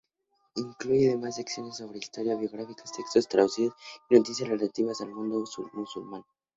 Incluye, además, secciones sobre historia, biografías, textos traducidos y noticias relativas al mundo musulmán.